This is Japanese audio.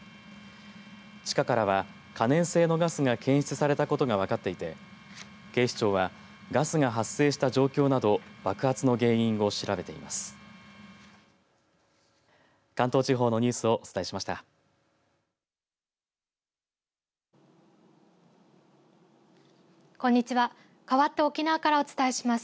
地下からは可燃性のガスが検出されたことが分かっていて警視庁はガスが発生した状況など爆発の原因を調べています。